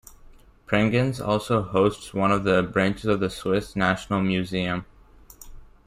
Prangins also hosts one of the branches of the Swiss National Museum.